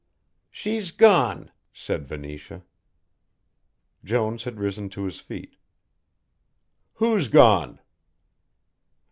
"She's gone," said Venetia. Jones had risen to his feet. "Who's gone?"